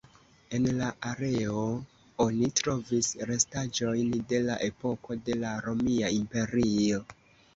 En la areo oni trovis restaĵojn de la epoko de la Romia Imperio.